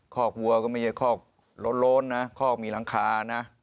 คอกวัวก็ไม่ใช่คอกโล้นนะคอกมีหลังคานะ